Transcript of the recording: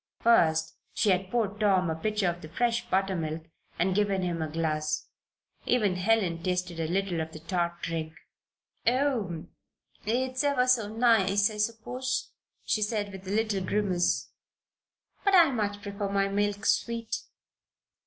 First she had poured Tom a pitcher of the fresh buttermilk, and given him a glass. Even Helen tasted a little of the tart drink. "Oh, it's ever so nice, I suppose," she said, with a little grimace; "but I much prefer my milk sweet."